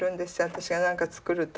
私が何か作ると。